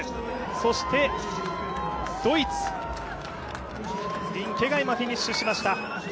そして、ドイツ、リンケが今、フィニッシュしました。